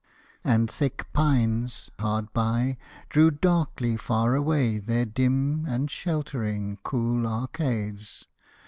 And thick pines, Hard by, drew darkly far away their dim And sheltering, cool arcades.